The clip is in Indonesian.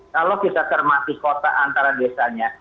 kalau kita cermati kota antara desanya